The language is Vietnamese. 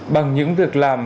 bằng những việc làm